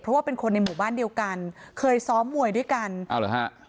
เพราะว่าเป็นคนในหมู่บ้านเดียวกันเคยซ้อมมวยด้วยกันเอาเหรอฮะ